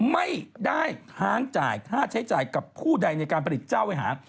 ไม่ได้ค้างจ่ายค่าใช้จ่ายกับผู้ใดในการผลิตเจ้าไว้หา